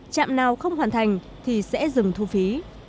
trạm nào không hoàn thành thì sẽ dừng thu phí